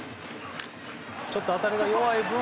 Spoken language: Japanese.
ちょっと当たりが弱い分